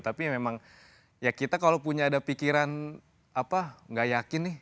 tapi memang ya kita kalau punya ada pikiran apa nggak yakin nih